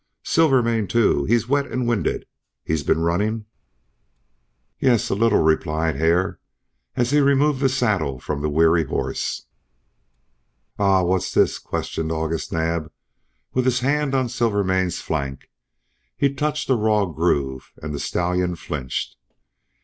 "Silvermane, too he's wet and winded. He's been running?" "Yes, a little," replied Hare, as he removed the saddle from the weary horse. "Ah! What's this?" questioned August Naab, with his hand on Silvermane's flank. He touched a raw groove, and the stallion flinched.